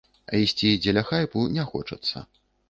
А ісці дзеля хайпу не хочацца.